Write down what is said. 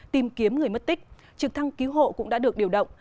vì mất tích trực thăng cứu hộ cũng đã được điều động